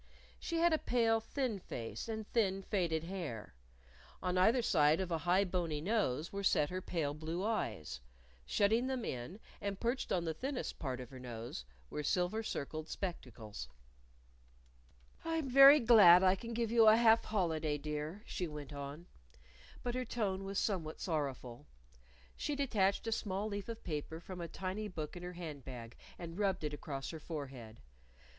She had a pale, thin face and thin faded hair. On either side of a high bony nose were set her pale blue eyes. Shutting them in, and perched on the thinnest part of her nose, were silver circled spectacles. "I'm very glad I can give you a half holiday, dear," she went on. But her tone was somewhat sorrowful. She detached a small leaf of paper from a tiny book in her hand bag and rubbed it across her forehead.